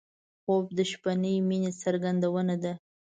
خوب د شپهنۍ مینې څرګندونه ده